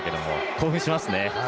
興奮しますね。